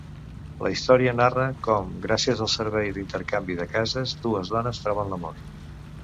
La història narra com, gràcies al servei d'intercanvi de cases, dues dones troben l'amor.